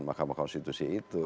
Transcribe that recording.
mahkamah konstitusi itu